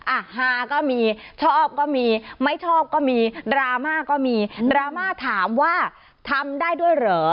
อ่ะฮาก็มีชอบก็มีไม่ชอบก็มีดราม่าก็มีดราม่าถามว่าทำได้ด้วยเหรอ